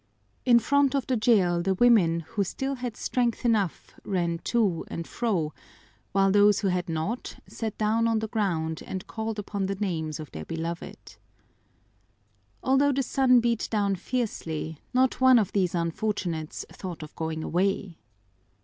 In front of the jail the women who still had strength enough ran to and fro, while those who had not sat down on the ground and called upon the names of their beloved. Although the sun beat down fiercely, not one of these unfortunates thought of going away.